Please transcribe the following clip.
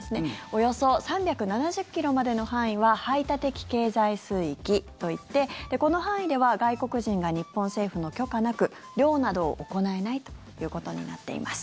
およそ３７０ｋｍまでの範囲は排他的経済水域といってこの範囲では外国人が日本政府の許可なく漁などを行えないということになっています。